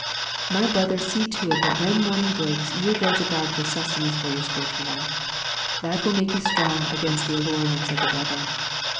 My brother see to it that when morning breaks you go to God for sustenance for your spiritual life. That will make you strong against the allurements of the devil.